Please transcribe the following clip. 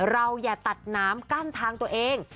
อย่าตัดน้ำกั้นทางตัวเอง